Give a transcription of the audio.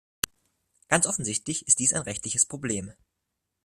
Ganz offensichtlich ist dies ein rechtliches Problem.